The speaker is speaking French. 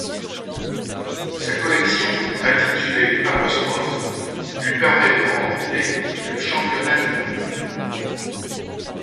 Sa collection intitulée ' lui permet de remporter les championnats du monde.